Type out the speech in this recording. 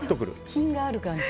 品がある感じ。